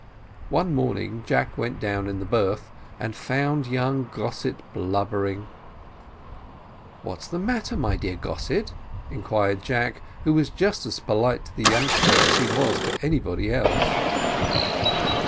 One morning Jack went down in the berth, and found young Gossett blubbering. "What's the matter, my dear Mr Gossett?" inquired Jack, who was just as polite to the youngster as he was to anybody else.